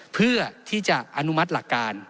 เพื่อที่จะอนุมัติหลักการ